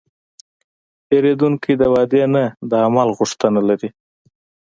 پیرودونکی د وعدې نه، د عمل غوښتنه لري.